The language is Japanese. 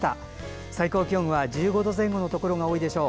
最高気温は１５度前後のところが多いでしょう。